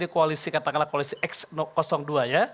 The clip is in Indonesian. koalisi katakanlah koalisi x dua ya